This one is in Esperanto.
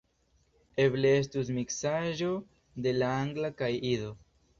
Eble estus miksaĵo de la Angla kaj Ido.